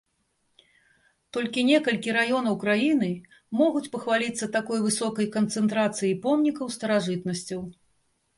Толькі некалькі раёнаў краіны могуць пахваліцца такой высокай канцэнтрацыяй помнікаў старажытнасцяў.